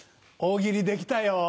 大喜利できたよ。